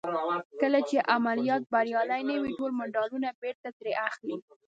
کله چې عملیات بریالي نه وي ټول مډالونه بېرته ترې اخلي.